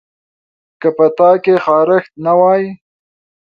که په تا کې خارښت نه وای